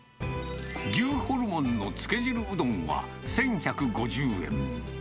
牛ホルモンのつけ汁うどんは１１５０円。